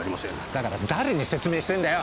だから誰に説明してんだよ！